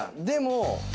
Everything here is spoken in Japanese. でも。